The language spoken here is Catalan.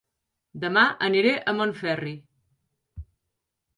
Dema aniré a Montferri